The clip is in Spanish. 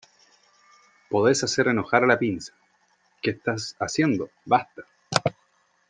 Podes hacer enojar a la pinza .¿ qué está haciendo ?¡ basta !